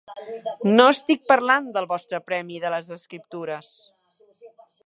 No estic parlant del vostre premi de les Escriptures.